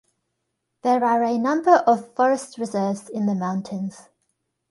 There are a number of forest reserves in the mountains.